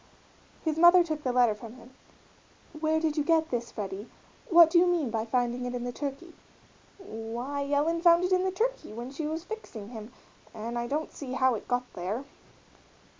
His mother took the letter from him. "Where did you get this, Freddie what do you mean by finding it in the turkey?" "Why, Ellen found it in the turkey when she was fixing him, and I don't see how it got there."